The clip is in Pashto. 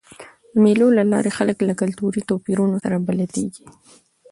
د مېلو له لاري خلک له کلتوري توپیرونو سره بلدیږي.